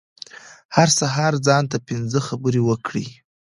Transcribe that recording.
هر سهار ځان ته پنځه خبرې وکړئ .